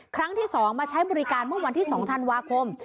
ครั้งที่๒มาใช้บริการเมื่อวันที่๒ธันวาคม